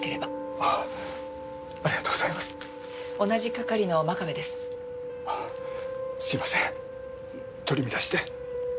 あっすいません取り乱して。